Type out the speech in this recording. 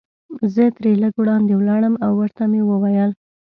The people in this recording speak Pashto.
زه ترې لږ وړاندې ولاړم او ورته مې وویل.